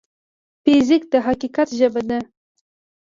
فزیک د حقیقت ژبه ده.